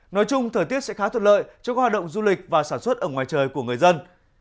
nói chung thời tiết sẽ khá thuận lợi cho các hoạt động du lịch và sản xuất ở ngoài trời của người dân